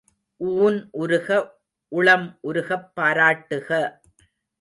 ஊன் உருக உளம் உருகப் பாராட்டுக!